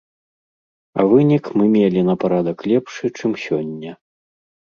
А вынік мы мелі на парадак лепшы, чым сёння.